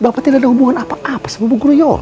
bapak tidak ada hubungan apa apa sama bu guruyolo